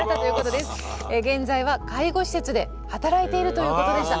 現在は介護施設で働いてるということでした。